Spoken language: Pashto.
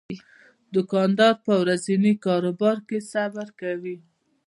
دوکاندار په ورځني کاروبار کې صبر کوي.